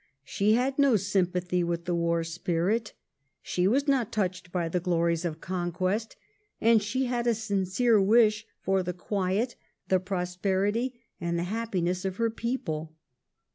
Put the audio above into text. She had no sympathy with the war spirit ; she was not touched by the glories of conquest ; and she had a sincere wish for the quiet, the prosperity, and the happiness of her people.